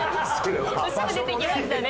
すぐ出てきましたね。